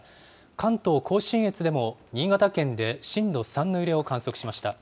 関東甲信越でも新潟県で震度３の揺れを観測しました。